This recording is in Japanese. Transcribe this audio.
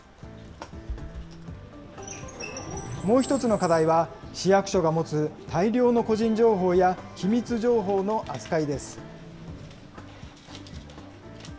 もう一つの課題は、市役所が持つ大量の個人情報や機密情報の扱いです。